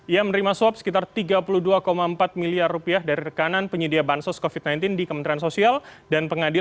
ia menerima suap sekitar tiga puluh dua empat miliar rupiah dari rekanan penyedia bansos covid sembilan belas di kementerian sosial dan pengadilan